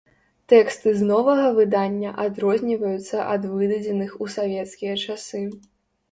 Тэксты з новага выдання адрозніваюцца ад выдадзеных у савецкія часы.